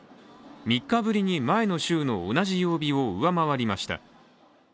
３日ぶりに前の週の同じ曜日を上回りました。